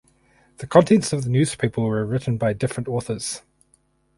The contents of the newspaper were written by different authors.